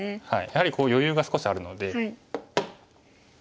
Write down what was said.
やはり余裕が少しあるので。